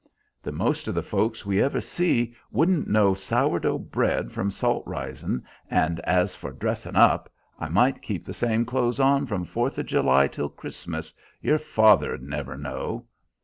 The most of the folks we ever see wouldn't know sour dough bread from salt risin', and as for dressin' up, I might keep the same clothes on from Fourth July till Christmas your father'd never know."